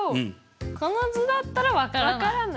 この図だったら分からない。